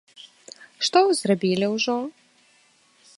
Што вы зрабілі ўжо?